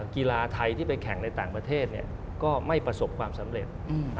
กีฬาไทยที่ไปแข่งในต่างประเทศก็ไม่ประสบความสำเร็จ